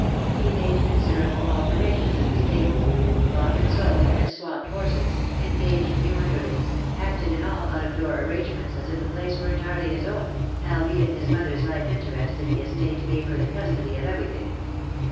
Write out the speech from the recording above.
He made considerable alterations in the stables, bought and sold and swopped horses, engaged new underlings, acted in all out of door arrangements as if the place were entirely his own, albeit his mother's life interest in the estate gave her the custody of every thing.